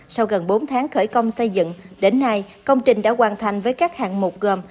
sau gần bốn tháng khởi công xây dựng đến nay công trình đã hoàn thành với các hạng mục gồm